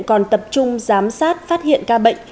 còn tập trung giám sát phát hiện ca bệnh